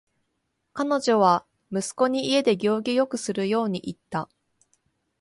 彼女は息子に家で行儀よくするように言った。